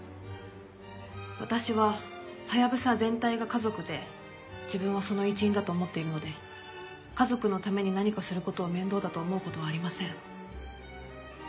私はハヤブサ全体が家族で自分はその一員だと思っているので家族のために何かする事を面倒だと思う事はありません。